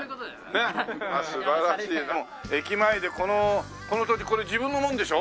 駅前でこのだってこれ自分のもんでしょ？